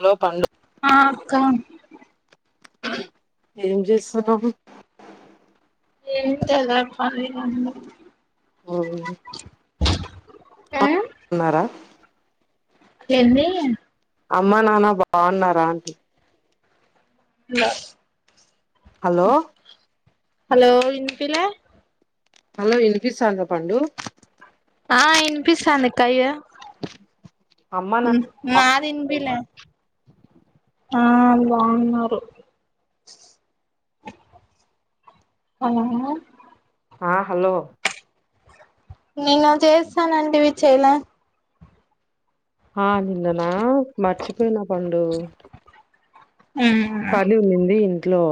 Hello Pandu ఆ అక్క. ఏం జేస్తున్నావు. ఏం లేద్రా పని ఉంది. ఉమ్మ్ ఆ ఉన్నారా. తేంది. అమ్మ, నాన్న బాగున్నారా ఆంటీ. లా. హాలో. హలో ఇన్పిలే. హలో ఇనిపిస్తందా పండు. ఆ ఇన్పిస్తాంది అక్కయ్య, అమ్మ ఉమ్ నాన్న నాది ఇన్పియ్లే. ఆ బాగున్నారు. [unintelligible] ఆ హలో. నిన్న చేస్తా నంటివి చెయలే. ఆ నిన్ననా మర్చిపోయిన పండు. పనీ ఉండింది. ట్లో.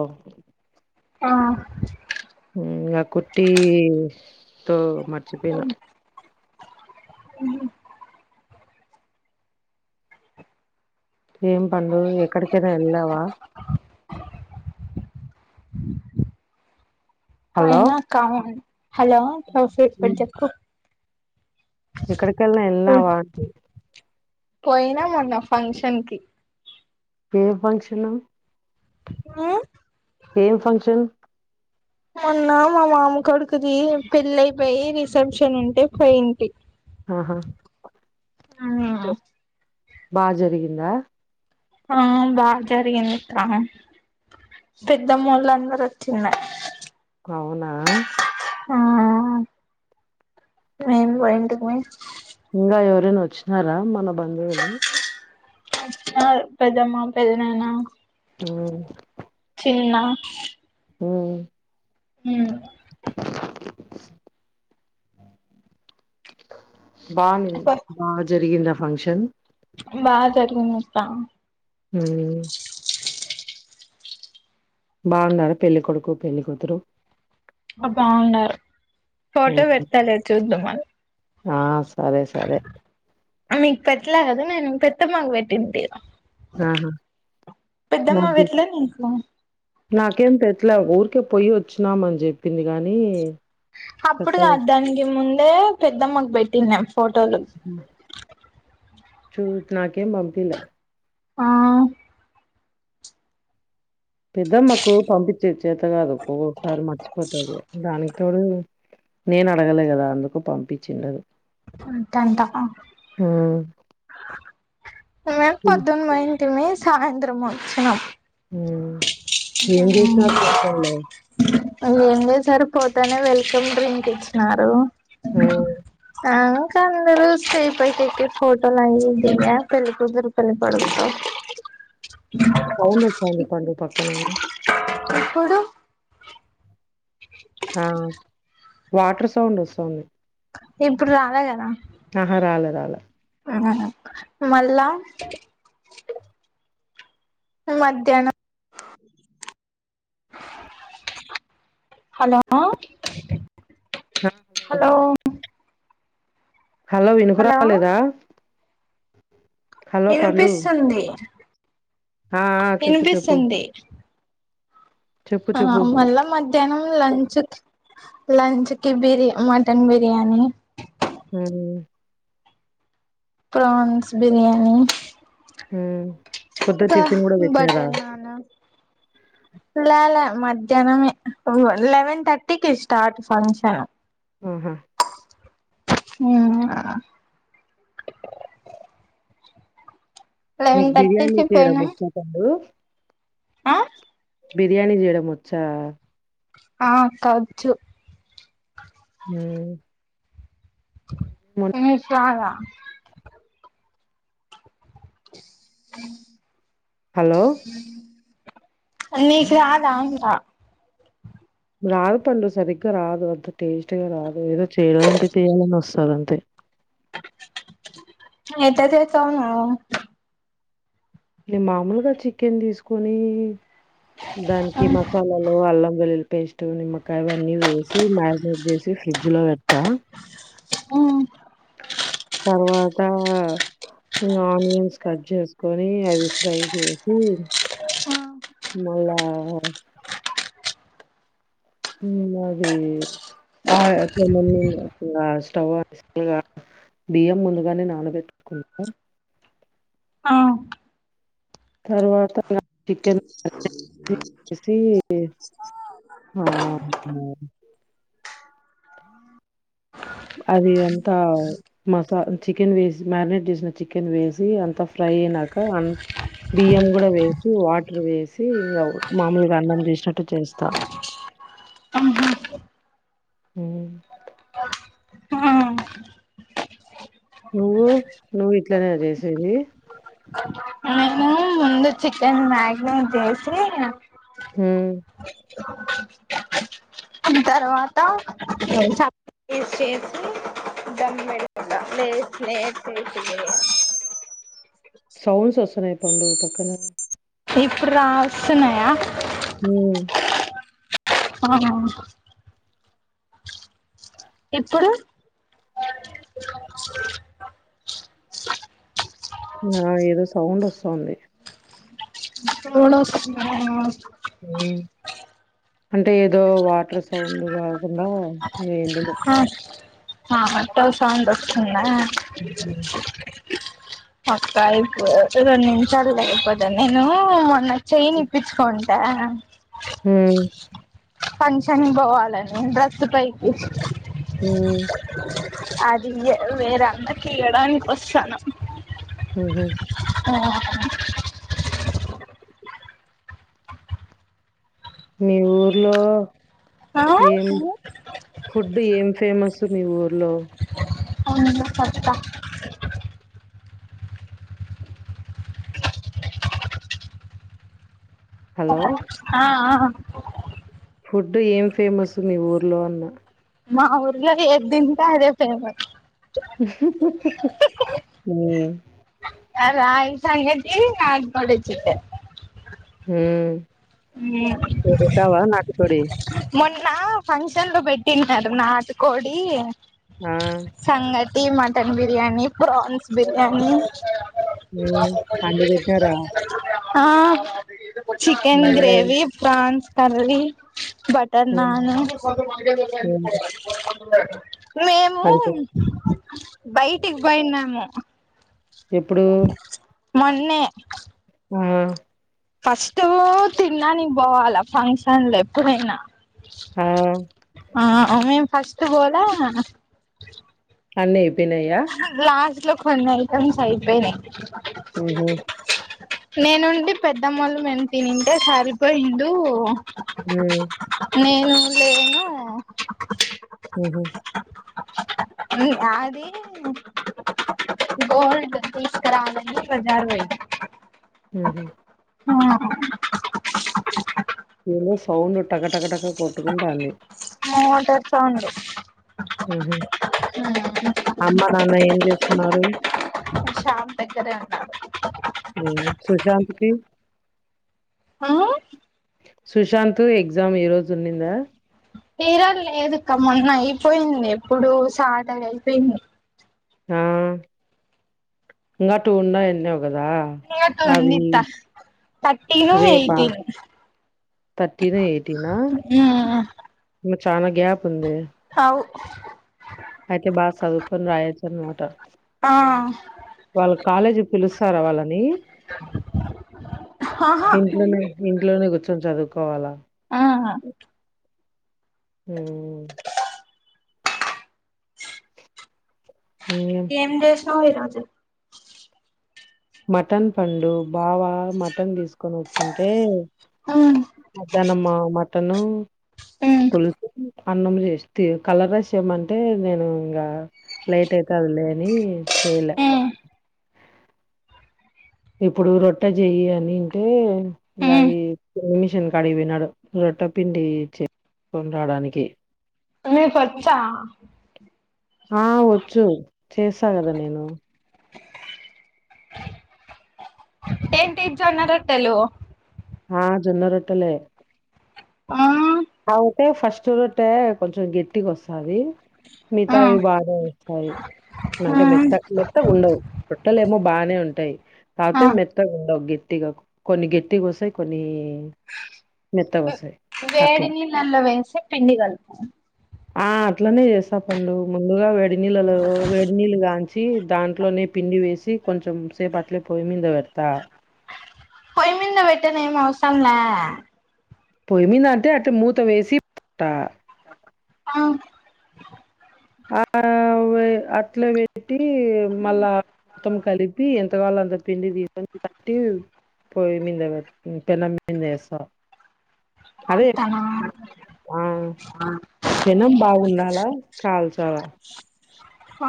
ఆ. ఆ కుట్టి తో. మర్చిపోయిన. ఉమ్. ఏం పండు ఎక్కడికన్నా ఎళ్ళావా. హ్ హలో పొయ్న అక్కా మొన్. హలో ఓకే ఇప్పుడు జెప్పు. ఎక్కడీకైన ఎల్లావ. పోయిన మొన్న ఫంక్షన్ కి. ఏం ఫంక్షను. ఉమ్ ఏం ఫంక్షన్. మొన్న మా మామ కొడుకుది పెళ్లయిపోయి రిసెప్షన్ ఉంటే పోయింటి. ఆహ్ ఉ ఆ బాగా జరిగిందా. ఆహ్ బాగ జరిగింది అక్క. పెదమ్మొల్లు అందరు వచ్చిన్నారు. అవునా. ఆహ్ మేము పోయింటిమి. ఇంకా ఎవరైనా వచ్చినారా మన బంధువులు. వచ్చినారు పెద్దమ్మ పెద్దనాన్న. ఉమ్ తిన్న. ఉమ్ ఉమ్ చ్ బానే బాగ జరిగింద. ఫంక్షన్. బాగా జరిగింది అక్క. హ్మ్ బాగున్నార పెళ్ళికొడుకు పెళ్ళికూతురు. అ బాగున్నారు. ఫోటో పెడతాలే చూద్ద మని. ఆహ్ స్ మీకు పెట్లే కదు నేను. పెద్దమ్మ కు పెట్టింటి. ఆహా ఊహు పెట్టలే నీకు నాకేం పెట్లా ఊర్. ఓకే పొయి వచ్చినాం అని చెప్పింది గానీ. అప్పుడు కాదు దానికి ముందే పెద్దమ్మకు పెట్ట్ పెట్టిన. ఫోటోలు. చూద్ నాకేం పంపియలే. ఆహ్ పెద్దమ్మకు పంపించేది చేత కాదు ఒక్కొక్కసారి మర్చిపోతది దానికి తోడు. నేను అడగలే కదా అందుకు పంపించిండదు ంటంటా హ్మ్ మెను హ్మ్ పద్దు మహ ఎ సాయంత్రం వచ్చినం ఆ అ సార్ పోతేనే వెల్కమ్ డ్రింక్ ఇచ్చినారు హ్మ్ ఆ అంద స్టే పైకి ఫోటో లా ఉంది పళ్లికుద్దరు పని పడుత పౌన వ చాంది పడు పక్కన ఎప్పుడు ఆ వాటర్ సౌండ్ వస్తుంది ఇప్పుడు రాలే కదా ఆహా రాలా రాలా మల్ళ మధ్యాహ్నం హలో హా హలో హలో వినుకు రాలేదా వినిపిస్తుంది ఆ! ఆ! చెప్పు చెప్పు. వినిపిస్తుంది చెప్పు ఆ చెప్పు. మళ్ళ మధ్యాహ్నం లంచ్ లంచ్ కి బియ మటన్ బిర్యానీ ఆ ప్రాన్స్ బిర్యానీ హ ఇకా బటర్ నానా ల మధ్యాహ్నమే లెవెన్ థర్టీకి స్టార్ట్ ఫంక్షన్ ఆహా అ మీకు బిర్యానీ చేయడం పోయినం ఆచ పండు ఆ బిర్యానీ చేయడం వచ్చా ఆ అక్క అచ్చు ఆ నీకురద అ హలో అ నీకు రాదా అంట రాదు పండు సరిగ్గా రాదు అంత టేస్టీగా రాదు ఏదో చేయాలంటే చేయాలని వస్తారు అంతే ఎంత చేస్తావ్ నువ్వు నేను మామూలుగా చికెన్ తీసుకొని దానికి మసాలాలు అల్లం వెలిల్ పేస్ట్ నిమ్మకాయవన్నీ వేసి మ్యారినేట్ చేసి ఫ్రిడ్జ్ లో వేడుతా ఆ తర్వాత ఇంకా ఆనియన్స్ కట్ చేసుకొని అవి ఫ్రై చేసి మళ్ళా ఉ అది బాగా ఆమ స్టవ్గా బియ్యం ముందుగానే నానబెట్టుకుంట ఆ తరువాత నా చికెన్ మ్యారినేట్ చేసి ఆ అది అంతా మసా చికెన్ వేసి మ్యారినేట్ చేసిన చికెన్ వేసి అంతా ఫ్రై అయినాక అన్ బియ్యం కూడా వేసి వాటర్ వేసి ఇంకా మామూలుగా అన్నం చేసినట్టు చేస్తా ఆహా ఉ ఆ నువ్వు నువ్వు ఇట్లనేనా చేసేది నేను ముందు చికెన్ మ్యగ్నెట్ చేేసి ఉ తర్వాత చాప్ పేస్ట్ చేసి దమ్ పెడతా ప్లేట్ సౌండ్స్ వస్తున్నాయి పండు పక్కన ఇప్పుడు రా వస్తున్నాయా హ ఆహా ఇప్పుడు అ నా ఏదో సౌండ్ వస్తుంది సౌండ్ వస్తుందా అంటే ఏదో వాటర్ సౌండ్ కాకుండా ఏందుగు ఆ మత్త సౌండ్ వస్తుంద అక్క అయిపో రెండు నిమిషాలు ఐపోతను నేను మొన్న చెయ్యి ఇప్పించుకోండి తయన ఉ ఫంక్షన్ పోవాలని డ్రెస్ పైకి ఉ అది ఇయ్య వేరందరికి ఇయ్యడానికి వస్తాను ఉహు ఆహహా మీ ఊర్లో ఆ ఏం ఫుడ్ ఏం ఫేమస్ మీ ఊర్లో ము తట్ట హలో ఆ ఆ ఫుడ్ ఏం ఫేమస్ మీ ఊర్లో అన్న మా ఊర్లో ఎద్ దికా ఇదే ఫేమస్ హ అ రా ఇ సంంగతి నాకోడిచ్చతే హ కావా నాకు తోడ ఇలా ఫంక్షన్ లో పెట్టినడు నాటుకోడి ఆ! సంగతి ఈటీ మటన్ బిర్యానీ ప్రాన్స్ బిర్యానీ అడిపోేతుార ఆ చికెన్ అయి దవ ప్రన్స్ తర్లీ బటర్ హ్మ్. నాన్ ఉ హ్మ్. మేము అంతే. బయటికి పోయినాము ఎప్పుడు మొన్నే ఉమ్ ఫస్ట్ తిన్నానికి పోవాల ఫంక్షన్ ఎప్పుడైనా ఆ! ఆ అవే ఫస్ట్ బోలా అన్నే లాస్ట్ లో కొన్ని ఐటమ్స్ అయిపోయినాయి ఉంహు నేనుండి పెద్దమ్మళ్లుు మను తినింటే సరిపోయిడు హ్మ్. నేను లేనా హఉంహు అది అది గోల్డ్ తీసుకురావాలని పడ్డారు ఉంహు ఆ ఏదో సౌండ్ టకటకటక కొట్టుకుంటంది టర్ సౌండ్ ఉహ్ హు అమ్మ నాన్న ఏం చేస్తున్నారు. శ్యామ్ దగ్గరే ఉన్నాడు. ఉహ్ హు సుశాంత్ కిి ఆహ్ సుశాంత్ ఎగ్జామ్ ఈ రోజున్నిందా. తీరా లేదక్క మొన్న అయిపోయింది. ఎప్పుడు సాటర్డే అయిపోయింది. ఆ ఇంగా టూ వున్నయి అన్నవ్ కదా ఇంగ అవి ఉంది థర్టీన్ రేపా ఎయిటీన్ థార్టీన్ ఎయిటీనా చానా గ్యాప్ ఉందే. అవు అయితే బాగ్ సదూవ్కోన్ రాయచ్చన్ మాటా ఆ వాళ్ళ కాలేజీ పిలుస్తారా. వాళ్ళని ఆహా ఇంట్లోనే ఇంట్లోనే కూర్చొని చదువుకోవాలా ఉహ్మ్ ఇంగేం ఏం జెస్ వ్ ఈ రాజు మటన్ పండు బావా మటన్ తీసుక్ క్కొని వచ్చింటే మద్యనమా మ టాను పులుసు అన్నం చేస్తి. కలర్ రైస్ చేయమంటే నేను ఇంగా లేట్ అయితాదిలే అని చేయలే ఇప్పుడు రొట్టె చెయి అనింటే. ఇంగ అది మిషన్ కడిగిపోయినాడు రొట్టె పిండి. చేసుకొని రడానికి నిక్ వచ్చా హా వచ్చు చేస్తా కదా నేను తింటారా టెంటి జొన్న రొట్టెలు హా జొన్న రొట్టలే ఆహ్ అంటే ఫస్ట్ రొట్టే కొంచెం గట్టిగా వస్తది. ఆ మిగతాయి బానే వస్తాయి. అంటే మెత్త మెత్త ఉండవు రొట్టలే ఏమో బానే ఉంటాయి. ఆ కాకపోతే మెత్త ఉండవు గిట్ గట్టిగా కొన్ని గేట్టిగోస్తాయి కొన్ని మెత్తగోస్తాయి అట్లా నీళ్లలో వేసే పిండి కలుపు ఆ అట్లనే చేసా పండు ముందుగా వేడి నీళ్ళలొ వేడి నీళ్ గా వచ్చి దాంట్లోనే పిండి వేసి కొంచెం సేపు అట్లే పొయి మీద పెడతా. పొయ్యి మీదనే పెట్టనే అవసరంలే. పొయ్యిమీద అంటే అట్ల మూత వేసి [inaudible] తా ఆ ఆవే అట్లవే పెట్టి మళ్ళ మొత్తం కలిపి ఎంత గావాలో అంత పిండి తీసుకొని పట్టి పోయి మీంద పెట్టి పెనం మిందవేస్తా. అదే అత్తనా అ పెనం బాగుండాలా. కాల్చావా హ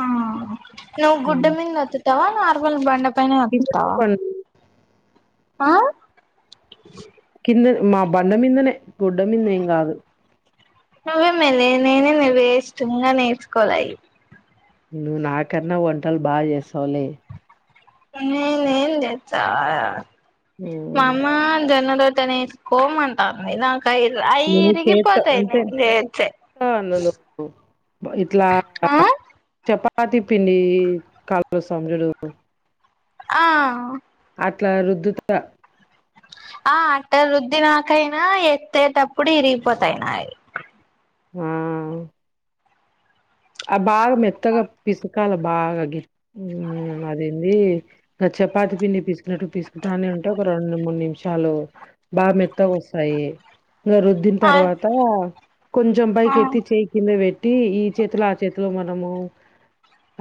నువ్వు హ్మ్. గుడ్డమిదనే ఒత్తు తవా నార్మల్ బండ బండపైనే కిందనే ఒత్తుతవా. పన్ ఆ కింద మా బండ మిదనే గుడ్డ మిదేం కాదు. నువ్వే మెలే నేనే మే వెస్ట్ ఇంగా నేర్చుకోలే అయి నువ్వు నాకన్నా వంటలు బాచేస్తావులే. నేనేం చేస్తా మా హ్మ్. అమ్మ జొన్నరొ ట్ట నెరుసుకో మంటది నా నువ్వు చేస్త అంటే చేస్తే నన్న ఇట్లా ఆ చెపా పాతి పిండి కలుపు [inaudible] చూడు ఆ అట్లా రుద్దుత ఆ అట్ట రుద్ది నాకైనా ఎత్తేటప్పుడు విరిగిపోతాయినాయి. ఆ ఆ బాగా మెత్తగా పిసుకాల బాగా గి అదేంది ఇ చపాతి పిండి పిసుకనట్టు పిసుకుతానే ఉంటే ఒక రెండు మూడు నిమిషాలు బాగా మెత్తగా వస్తాయి ఇగా రుద్దిన ఆ తర్వాత కొంచెం ఆ పైకి ఎత్తి చేయి కింద పె ట్టి ఈ చేతులు ఆ చేతిలో మనము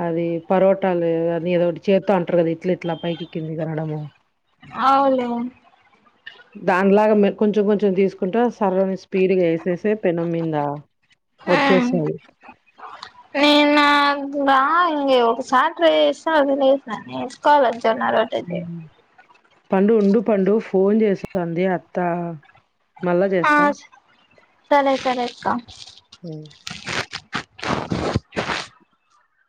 అది పరోటాలు అ ఏదో ఒకటి చేతి అంటరు కదా ఇట్ల ఇట్లా పైకిక్కిందికి అనడము. అవును. దానిలాగా మె కొంచెం కొంచెం తీసుకు ంటా సరని స్పీడ్గా వేసేసే పెనం మీద ఉమ్ వచ్చేస్తది. నేను రా ఇ ఒక సారి ట్రై చెసినా నేరుసుకోవాల. జొన్న రొట్టె చే హ్మ్. పండు ఉండు పండు ఫోన్ చేస్తోంది అత్తా ఆ సరే సరేక్క